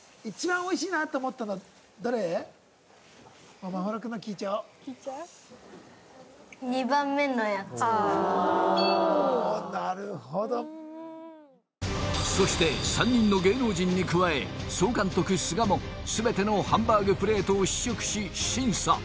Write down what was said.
おおーなるほどそして３人の芸能人に加え総監督須賀も全てのハンバーグプレートを試食し審査